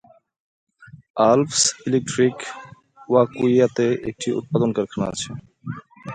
Alps electric ওয়াকুইয়াতে একটি উৎপাদন কারখানা আছে।